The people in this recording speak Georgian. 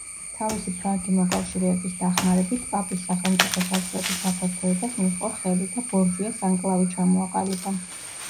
თავისი ფრანგი მოკავშირეების დახმარებით, პაპის სახელმწიფო საზღვრების გაფართოებას მიჰყო ხელი და ბორჯიას ანკლავი ჩამოაყალიბა.